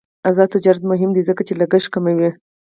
آزاد تجارت مهم دی ځکه چې لګښت کموي.